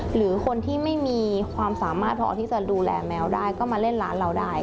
หรือคนที่ไม่มีความสามารถพอที่จะดูแลแมวได้ก็มาเล่นร้านเราได้